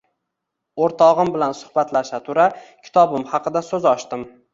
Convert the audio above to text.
O’rtog’im bilan suhbatlasha tura, kitobim haqida so‘z ochdim.